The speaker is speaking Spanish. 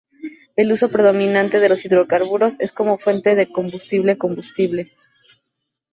El uso predominante de los hidrocarburos es como fuente de combustible combustible.